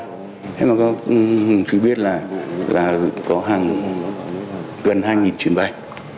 thế mà có hình thức biết là có hàng gần hai chuyến bay